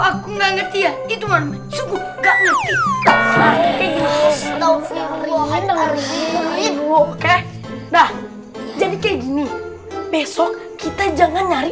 aku nggak ngerti ya itu suka nanti nah jadi kayak gini besok kita jangan nyari